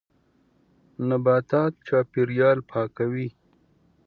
نباتات چاپېریال پاکوي.